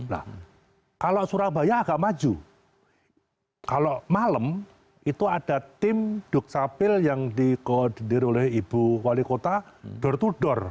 nah kalau surabaya agak maju kalau malam itu ada tim dukcapil yang dikoordir oleh ibu wali kota door to door